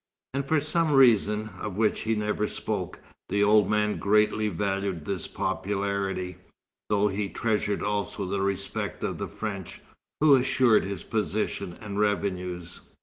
And for some reasons of which he never spoke, the old man greatly valued this popularity, though he treasured also the respect of the French, who assured his position and revenues.